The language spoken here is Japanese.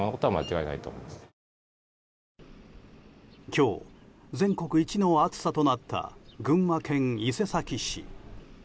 今日、全国一の暑さとなった群馬県伊勢崎市。